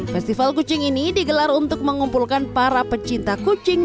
festival kucing ini digelar untuk mengumpulkan para pecinta kucing